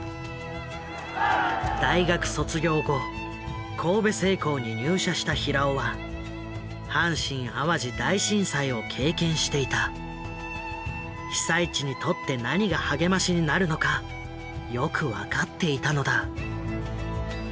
大学卒業後神戸製鋼に入社した平尾は被災地にとって何が励ましになるのかよく分かっていたのだ。